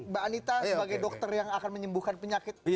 mbak anita sebagai dokter yang akan menyembuhkan penyakit